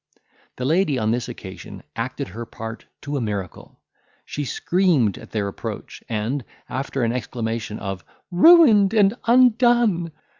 The lady on this occasion acted her part to a miracle; she screamed at their approach; and, after an exclamation of "Ruined and undone!"